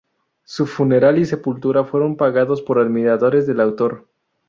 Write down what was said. Su funeral y sepultura fueron pagados por admiradores del autor.